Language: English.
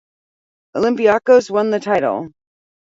Olympiacos won the title.